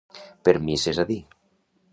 Per misses a dir.